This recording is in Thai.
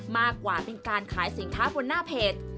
มากกว่าเป็นการขายสินค้าบนหน้าเพจ